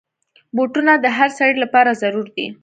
بوټونه د هر سړي لپاره ضرور دي.